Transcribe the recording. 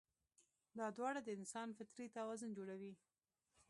دا دواړه د انسان فطري توازن جوړوي.